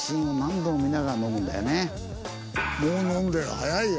もう飲んでる早いよ。